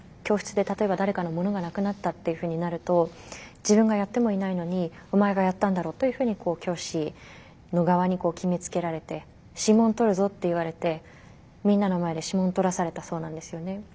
教室で例えば誰かの物がなくなったっていうふうになると自分がやってもいないのに「お前がやったんだろう」というふうに教師の側に決めつけられて「指紋採るぞ」と言われてみんなの前で指紋採らされたそうなんですよね。